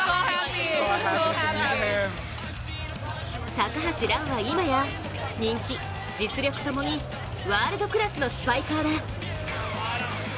高橋藍は今や、人気、実力ともにワールドクラスのスパイカーだ。